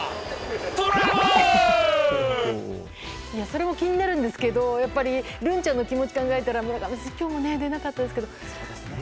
それも気になるんですがやっぱりるんちゃんの気持ちを考えたら村上選手今日も出なかったですが。